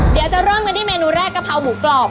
เดี๋ยวจะเริ่มกันที่เมนูแรกกะเพราหมูกรอบ